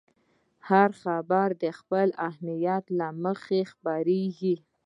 هر خبر د خپل اهمیت له مخې خپرېږي.